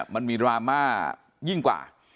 มันมีดราม่ายิ่งกว่า